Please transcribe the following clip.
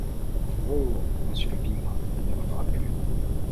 Oh ! monsieur Lebigre, il ne voudra plus.